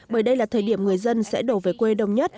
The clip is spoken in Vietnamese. bởi đây là thời điểm người dân sẽ đổ về quê đông nhất